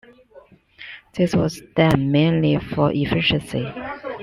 This was done mainly for efficiency.